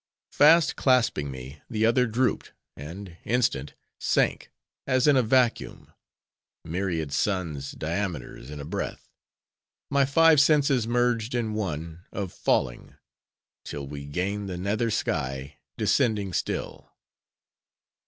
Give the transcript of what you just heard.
"Fast clasping me, the other drooped, and, instant, sank, as in a vacuum; myriad suns' diameters in a breath;—my five senses merged in one, of falling; till we gained the nether sky, descending still.